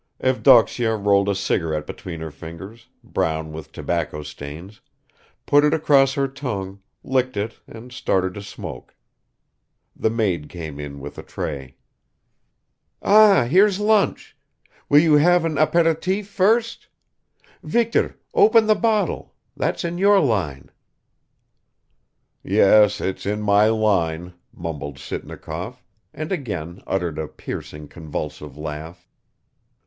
Evdoksya rolled a cigarette between her fingers, brown with tobacco stains, put it across her tongue, licked it and started to smoke. The maid came in with a tray. "Ah, here's lunch! Will you have an apéritif first? Viktor, open the bottle; that's in your line." "Yes, it's in my line," mumbled Sitnikov, and again uttered a piercing convulsive laugh.